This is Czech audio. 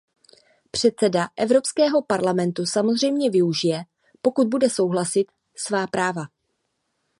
Předseda Evropského parlamentu samozřejmě využije, pokud bude souhlasit, svá práva.